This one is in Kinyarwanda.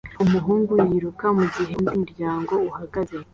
Umuhungu yiruka mugihe undi muryango uhagaze